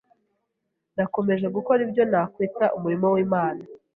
Nakomeje gukora ibyo nakwita umurimo w’Imana